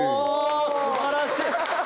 すばらしい！